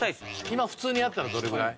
今普通にやったらどれぐらい？